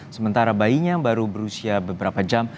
sementara bayinya baru berusia beberapa jam